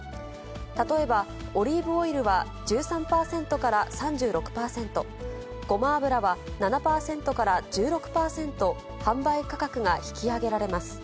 例えば、オリーブオイルは１３％から３６％、ごま油は７％から１６％販売価格が引き上げられます。